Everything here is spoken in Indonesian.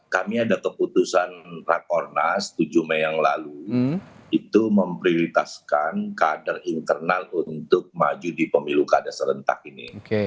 kami ada keputusan rakornas tujuh mei yang lalu itu memprioritaskan kader internal untuk maju di pemilu kada serentak ini